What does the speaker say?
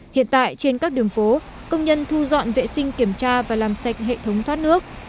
hiện tại trên các đường phố công nhân thu dọn vệ sinh kiểm tra và làm sạch hệ thống thoát nước